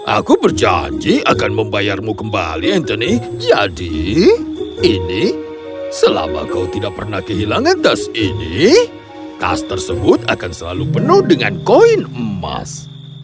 aku berjanji akan membayarmu kembali anthony jadi ini selama kau tidak pernah kehilangan tas ini tas tersebut akan selalu penuh dengan koin emas